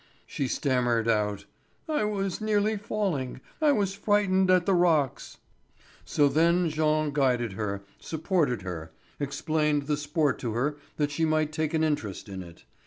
She stammered out: "I was nearly falling; I was frightened at the rocks." So then Jean guided her, supported her, explained the sport to her that she might take an interest in it.